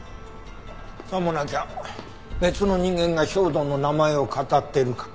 さもなきゃ別の人間が兵働の名前を騙ってるか。